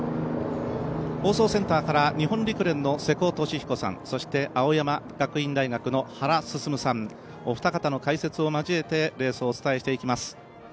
放送センターから日本陸連の瀬古利彦さん、そして青山学院大学の原晋さん、お二方の解説を交えてレースをお伝えしていきます。